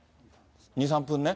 ２、３分ね。